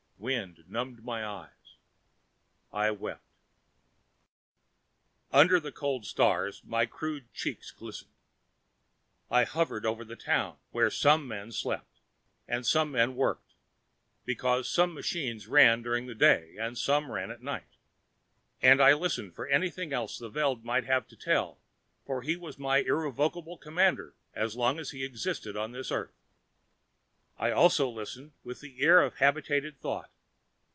The wind numbed my eyes. I wept. Under the cold stars, my crude cheeks glistened. I hovered over the town, where some men slept and some men worked, because some machines run during the day and some run at night, and I listened for anything else the Veld might have to tell, for he was my irrevocable commander as long as he existed on this Earth. I also listened with the ear of habituated thought.